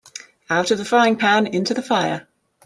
Out of the frying-pan into the fire.